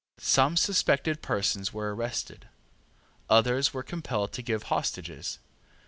Some suspected persons were arrested. Others were compelled to give hostages.